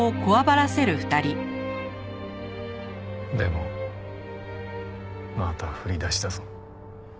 でもまた振り出しだぞ。